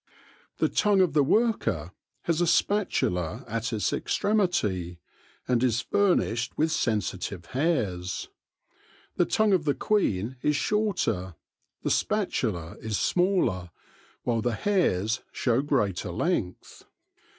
The tongue of the worker has a spatula at its extremity, and is furnished with sensitive hairs : the tongue of the queen is shorter, the spatula is smaller, while the hairs show greater length.